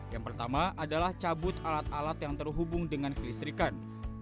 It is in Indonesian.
yang pertama adalah cabut alat alat yang terhubung dengan kelistrikan